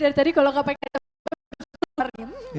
dari tadi kalau gak pengen